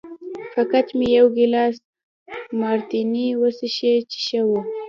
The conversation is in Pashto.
فقط مې یو ګیلاس مارتیني وڅښی چې ښه و.